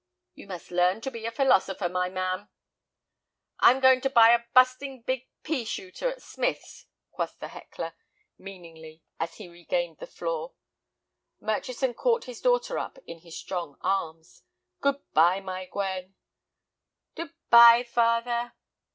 "You must learn to be a philosopher, my man." "I'm going to buy a busting big pea shooter at Smith's," quoth the heckler, meaningly, as he regained the floor. Murchison caught his daughter up in his strong arms. "Good bye, my Gwen—" "Dood bye, father."